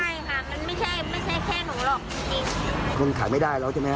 ใช่ค่ะมันไม่ใช่แค่หนูหรอกจริงมันขายไม่ได้แล้วใช่ไหม